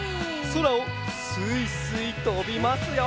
そらをすいすいとびますよ！